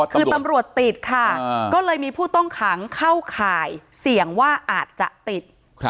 คือตำรวจติดค่ะก็เลยมีผู้ต้องขังเข้าข่ายเสี่ยงว่าอาจจะติด